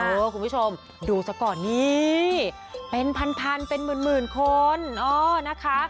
คุณผู้ชมดูซะก่อนนี่เป็นพันเป็นหมื่นคนเออนะคะ